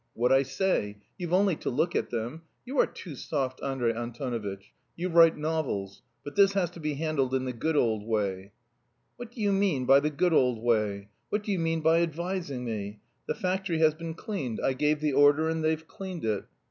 "What I say. You've only to look at them. You are too soft, Andrey Antonovitch; you write novels. But this has to be handled in the good old way." "What do you mean by the good old way? What do you mean by advising me? The factory has been cleaned; I gave the order and they've cleaned it."